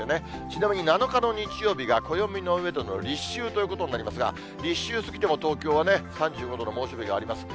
ちなみに、７日の日曜日が暦の上での立秋ということになりますが、立秋過ぎても、東京は３５度の猛暑日があります。